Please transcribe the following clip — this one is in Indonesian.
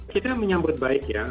kita menyambut baik ya